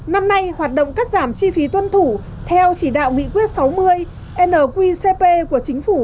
năm nay hoạt động cắt giảm chi phí tuân thủ theo chỉ đạo nghị quyết sáu mươi nqcp của chính phủ